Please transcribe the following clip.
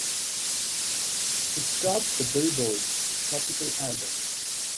It topped the "Billboard" Tropical Albums.